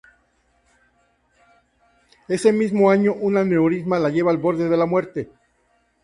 Ese mismo año, un aneurisma la lleva al borde de la muerte.